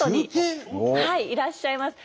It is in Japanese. いらっしゃいます。